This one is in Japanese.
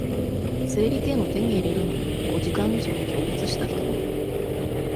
整理券を手に入れるのに、五時間以上行列した人もいる。